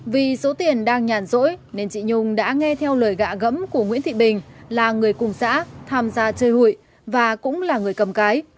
vì số tiền đang nhàn rỗi nên chị nhung đã nghe theo lời gạ gẫm của nguyễn thị bình là người cùng xã tham gia chơi hụi và cũng là người cầm cái